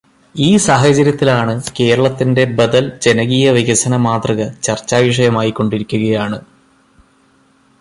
ഈ സാഹചര്യത്തിലാണ് കേരളത്തിന്റെ ബദൽ ജനകീയവികസനമാതൃക ചർച്ചാ വിഷയമായിക്കൊണ്ടിരിക്കുകയാണ്.